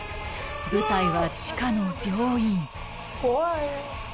舞台は地下の病院